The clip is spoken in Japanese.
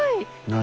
何？